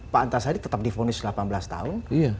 pak antarsari tetap diponis delapan belas tahun